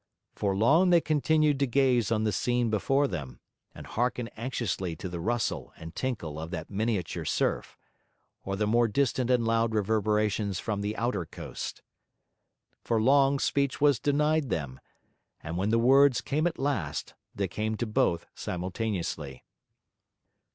For long they continued to gaze on the scene before them, and hearken anxiously to the rustle and tinkle of that miniature surf, or the more distant and loud reverberations from the outer coast. For long speech was denied them; and when the words came at last, they came to both simultaneously.